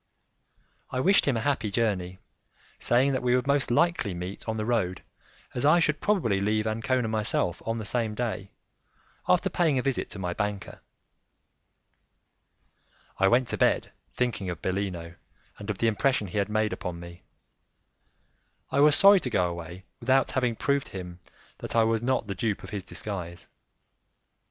I wished him a happy journey, saying that we would most likely meet on the road, as I should probably leave Ancona myself on the same day, after paying a visit to my banker. I went to bed thinking of Bellino and of the impression he had made upon me; I was sorry to go away without having proved to him that I was not the dupe of his disguise.